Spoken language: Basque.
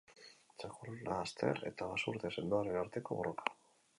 Txakur laster eta basurde sendoaren arteko borroka.